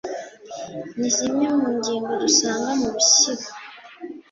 (ni zimwe mu ngingo dusanga mu bisigo):